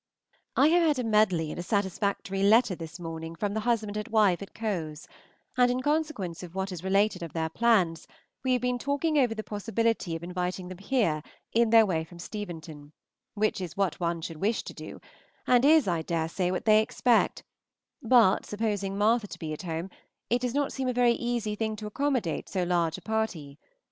I have had a medley and satisfactory letter this morning from the husband and wife at Cowes; and in consequence of what is related of their plans, we have been talking over the possibility of inviting them here in their way from Steventon, which is what one should wish to do, and is, I dare say, what they expect, but, supposing Martha to be at home, it does not seem a very easy thing to accommodate so large a party.